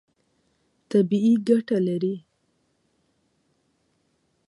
طبیعي ګټه لري.